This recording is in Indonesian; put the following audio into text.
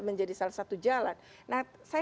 menjadi salah satu jalan nah saya